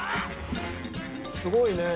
すごいね。